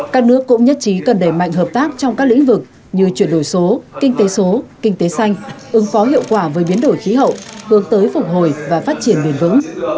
các nước cũng nhất trí cần đẩy mạnh hợp tác trong các lĩnh vực như chuyển đổi số kinh tế số kinh tế xanh ứng phó hiệu quả với biến đổi khí hậu hướng tới phục hồi và phát triển bền vững